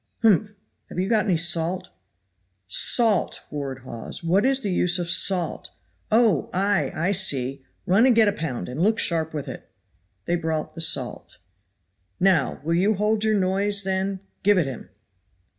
"Humph! have you got any salt?" "Salt!" roared Hawes, "what is the use of salt? Oh! ay, I see! run and get a pound, and look sharp with it." They brought the salt. "Now, will you hold your noise? then, give it him."